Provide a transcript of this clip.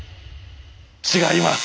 違います！